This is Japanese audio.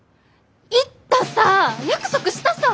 言ったさぁ約束したさ！